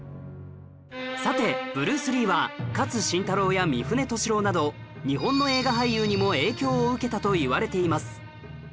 さてブルース・リーは勝新太郎や三船敏郎など日本の映画俳優にも影響を受けたといわれています